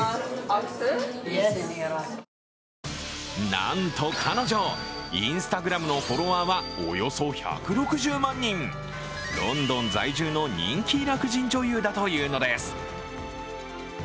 なんと彼女、Ｉｎｓｔａｇｒａｍのフォロワーは、およそ１６０万人ロンドン在住の人気イラク人女優だというのです。